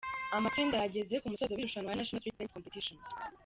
Amatsinda yageze ku musozo w’irushanwa ya "National Street Dance Competition".